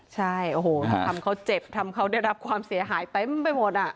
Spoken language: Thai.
ใช่โอ้โหทำเขาเจ็บทำเขาได้รับความเสียหายเต็มไปหมดอ่ะ